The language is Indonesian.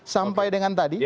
sampai dengan tadi